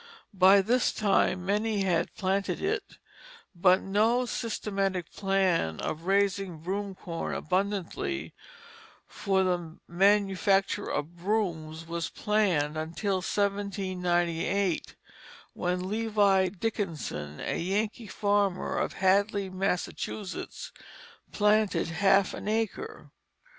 By this time many had planted it, but no systematic plan of raising broom corn abundantly for the manufacture of brooms was planned till 1798, when Levi Dickenson, a Yankee farmer of Hadley, Massachusetts, planted half an acre.